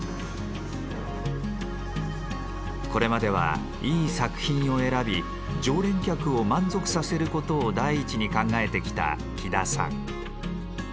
これまではいい作品を選び常連客を満足させることを第一に考えてきた喜田さん。